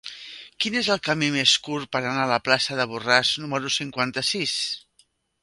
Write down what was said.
Quin és el camí més curt per anar a la plaça de Borràs número cinquanta-sis?